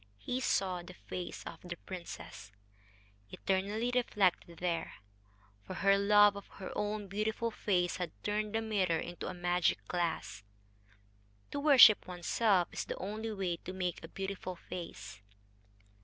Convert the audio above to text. He saw the face of the princess eternally reflected there; for her love of her own beautiful face had turned the mirror into a magic glass. To worship oneself is the only way to make a beautiful face.